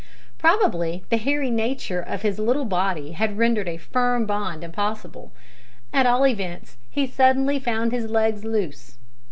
Probably the hairy nature of his little body had rendered a firm bond impossible. At all events, he suddenly found his legs loose.